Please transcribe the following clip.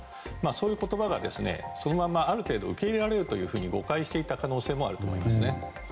そういう言葉がそのままある程度、受け入れられると誤解していた可能性もあると思います。